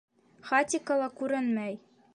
Хатико ла күренмәй.